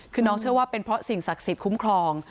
คือน้องเชื่อว่าเป็นเพราะสิ่งศักดิ์สิทธิ์คุ้มครอง